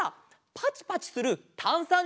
パチパチするたんさん